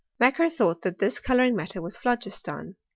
Macquer thought that this flouring matter vfos phlogiston.